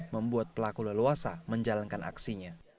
membuat pelaku leluasa menjalankan aksinya